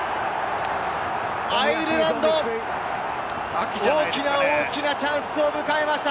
アイルランド、大きな大きなチャンスを迎えました！